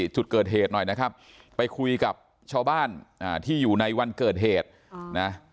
จุดเกิดเหตุหน่อยนะครับไปคุยกับชาวบ้านที่อยู่ในวันเกิดเหตุนะ